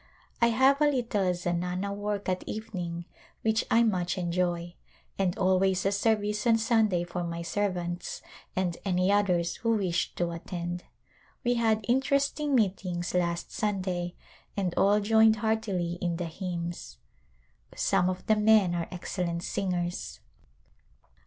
I have a little zanana work at evening which I much enjoy, and always a service on Sunday for my servants and any others who wish to attend. We had interest ing meetings last Sunday, and all joined heartily in the hymns ; some of the men are excellent singers.